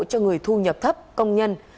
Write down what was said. cho người thu nhập thấp công nhân